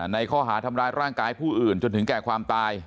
ในข้อหาทำร้ายร่างกายผู้อื่นจนถึงแก่ความตาย